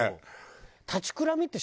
立ちくらみってします？